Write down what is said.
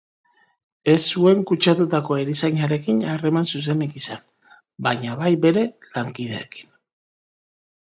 Ez zuen kutsatutako erizainarekin harreman zuzenik izan, baina bai bere lankideekin.